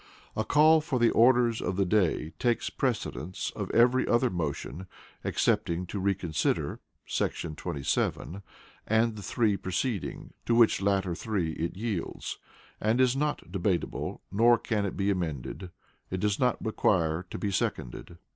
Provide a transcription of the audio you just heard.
A call for the Orders of the Day takes precedence of every other motion, excepting to Reconsider [§ 27], and the three preceding, to which latter three it yields, and is not debatable, nor can it be amended. It does not require to be seconded.